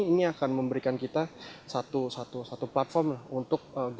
ini akan memberikan kita satu platform untuk goog